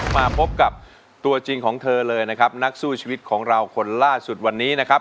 มาพบกับตัวจริงของเธอเลยนะครับนักสู้ชีวิตของเราคนล่าสุดวันนี้นะครับ